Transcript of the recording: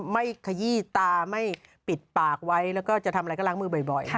ขยี้ตาไม่ปิดปากไว้แล้วก็จะทำอะไรก็ล้างมือบ่อย